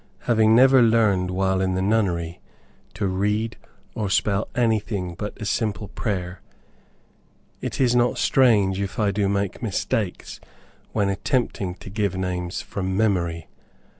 Having never learned while in the nunnery, to read, or spell anything except a simple prayer, it is not strange if I do make mistakes, when attempting to give names from memory.